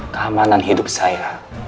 keamanan hidup saya